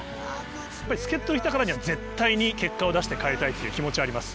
やっぱり助っとで来たからには、絶対に結果を出して帰りたいという気持ちはあります。